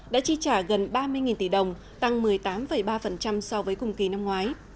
đã chi trả gần ba mươi tỷ đồng tăng một mươi tám ba so với cùng kỳ năm ngoái